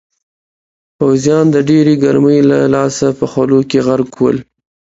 پوځیان د ډېرې ګرمۍ له لاسه په خولو کې غرق ول.